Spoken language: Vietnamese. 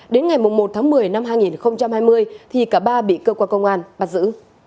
đến ngày một tháng một mươi năm hai nghìn hai mươi thì cả ba bị cơ quan công an bắt giữ